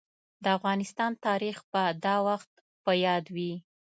د افغانستان تاريخ به دا وخت په ياد وي.